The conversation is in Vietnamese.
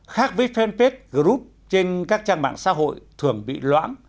khác với fanpage group trên các trang mạng xã hội thường bị loãng